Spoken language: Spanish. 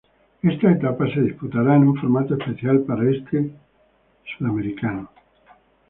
Esta etapa se disputará en un formato especial para este Sudamericano.